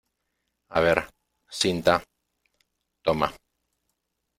a ver, cinta. toma .